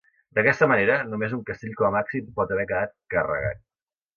D'aquesta manera, només un castell com a màxim pot haver quedat carregat.